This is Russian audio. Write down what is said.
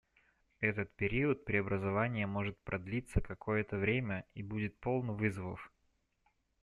Этот период преобразования может продлиться какое-то время и будет полон вызовов.